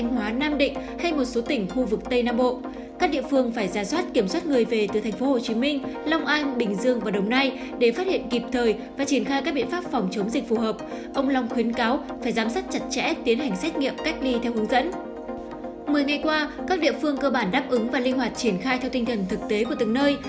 một mươi ngày qua các địa phương cơ bản đáp ứng và linh hoạt triển khai theo tinh thần thực tế của từng nơi